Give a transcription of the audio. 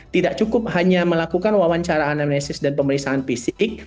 tidak cukup hanya melakukan wawancara anamnesis dan pemeriksaan fisik